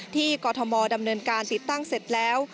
กรทมดำเนินการติดตั้งเสร็จแล้ว